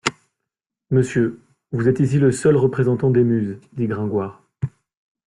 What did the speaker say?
Monsieur, vous êtes ici le seul représentant des muses, dit Gringoire.